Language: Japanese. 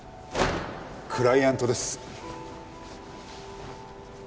クライアントです。